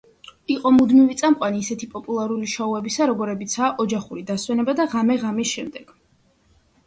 იყო მუდმივი წამყვანი ისეთ პოპულარული შოუებისა, როგორებიცაა „ოჯახური დასვენება“ და „ღამე ღამის შემდეგ“.